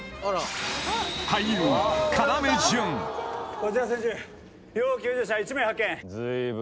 こちら千住要救助者１名発見